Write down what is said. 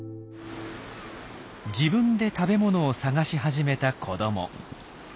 自分で食べ物を探し始めた子ども。